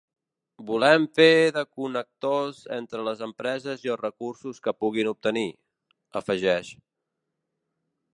“Volem fer de connectors entre les empreses i els recursos que puguin obtenir”, afegeix.